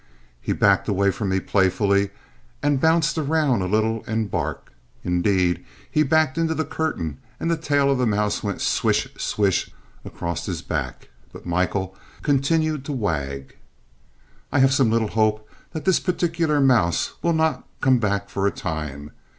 He backed away from me playfully and bounced around a little and barked. Indeed, he backed into the curtain and the tail of the mouse went swish, swish across his back, but Michael continued to wag. I have some little hope that this particular mouse will not come back for a time.